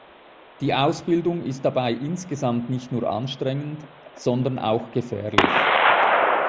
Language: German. Die Ausbildung ist dabei insgesamt nicht nur anstrengend, sondern auch gefährlich.